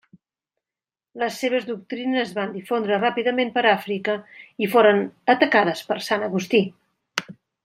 Les seves doctrines es van difondre ràpidament per Àfrica i foren atacades per Sant Agustí.